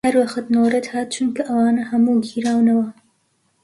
هەر وەخت نۆرەت هات، چونکە ئەوانە هەموو گیراونەوە